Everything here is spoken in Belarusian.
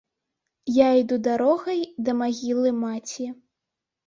Я іду дарогай да магілы маці.